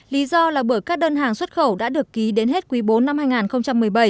lý do là bởi các đơn hàng xuất khẩu đã được ký đến hết quý bốn năm hai nghìn một mươi bảy